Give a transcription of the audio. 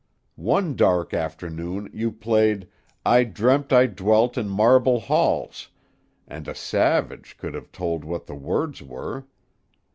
One dark afternoon you played 'I Dreamt I Dwelt in Marble Halls,' and a savage could have told what the words were.